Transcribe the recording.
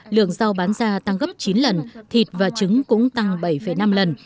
lượng rau bán ra tăng gấp chín lần thịt và trứng cũng tăng bảy năm lần